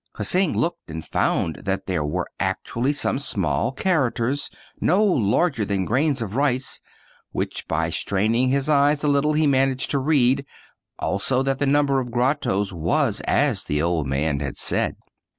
" Hsing looked and found that there were actually some small characters, no larger than grains of rice, which by straining his eyes a little he managed to read; also that the number of grottoes was as the old man had said.